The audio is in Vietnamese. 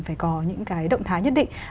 phải có những cái động thái nhất định